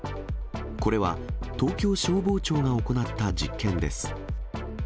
これは東京消防庁が行った実験です。